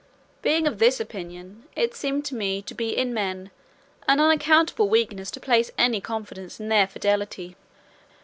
Being of this opinion, it seemed to me to be in men an unaccountable weakness to place any confidence in their fidelity.